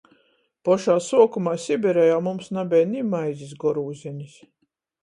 Pošā suokumā Sibirejā mums nabeja ni maizis gorūzenis...